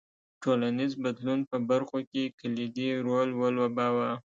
ټولنیز بدلون په برخو کې کلیدي رول ولوباوه.